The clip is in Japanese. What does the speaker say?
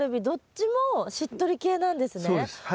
どっちもしっとり系なんですね。